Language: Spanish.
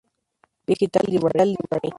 Digital Library